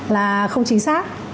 là không chính xác